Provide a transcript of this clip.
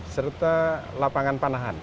serta lapangan panahan